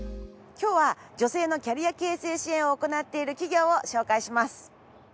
今日は女性のキャリア形成支援を行っている企業を紹介します。